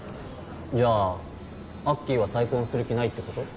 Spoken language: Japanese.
じゃあアッキーは再婚する気ないってこと？